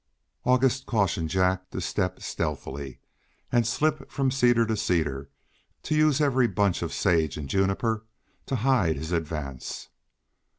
August cautioned Jack to step stealthily, and slip from cedar to cedar, to use every bunch of sage and juniper to hide his advance.